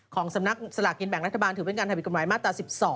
ของสำนักสลากกินแบ่งรัฐบาลถือเป็นการทำผิดกฎหมายมาตรา๑๒